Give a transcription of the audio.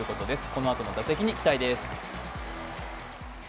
このあとの打席に期待です。